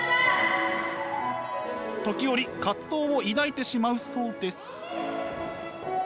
時折葛藤を抱いてしまうそうです。